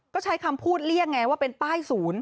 ก็ใช้คำพูดเรียกไงว่าเป็นป้ายศูนย์